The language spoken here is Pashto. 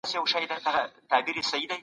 د زعفرانو کرنه د اوبو د کمښت ستونزه حلوي.